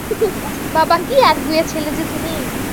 বাবা, কি একগুঁয়ে ছেলে যে তুমি!